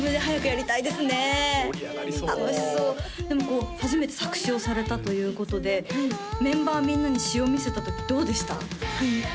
盛り上がりそう楽しそうでも初めて作詞をされたということでメンバーみんなに詞を見せた時どうでした？